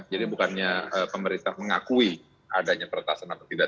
jadi bukannya pemerintah mengakui adanya peretasan atau tidak